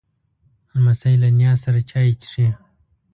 لمسی له نیا سره چای څښي.